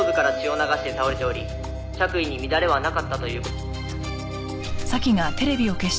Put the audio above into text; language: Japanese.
「着衣に乱れはなかったという」